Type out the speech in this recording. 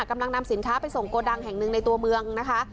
กำลังนำสินค้าไปส่งโกดังแห่งหนึ่งในตัวเมืองนะคะ